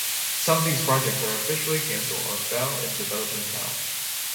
Some of these projects are officially cancelled or fell in development hell.